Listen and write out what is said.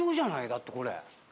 だってこれ。